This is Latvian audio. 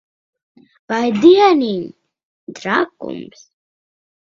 Vai dieniņ! Trakums.